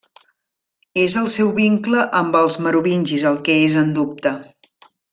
És el seu vincle amb els merovingis el que és en dubte.